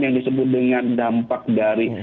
yang disebut dengan dampak dari